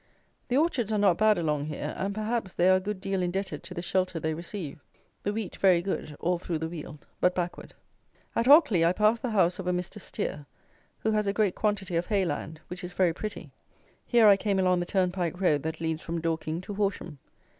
The orchards are not bad along here, and, perhaps, they are a good deal indebted to the shelter they receive. The wheat very good, all through the weald, but backward. At Ockley I passed the house of a Mr. Steer, who has a great quantity of hay land, which is very pretty. Here I came along the turnpike road that leads from Dorking to Horsham.